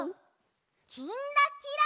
「きんらきら」。